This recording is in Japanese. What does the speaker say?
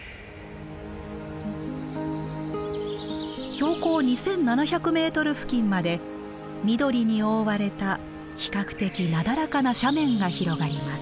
標高２，７００ｍ付近まで緑に覆われた比較的なだらかな斜面が広がります。